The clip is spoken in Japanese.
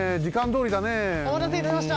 おまたせいたしました！